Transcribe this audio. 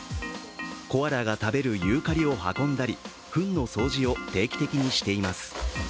コアラが食べるユーカリを運んだり、ふんの掃除を定期的にしています。